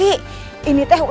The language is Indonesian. jika aku badan seekor